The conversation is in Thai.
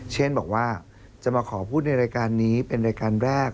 เช่นบอกว่าจะมาขอพูดในรายการนี้เป็นรายการแรก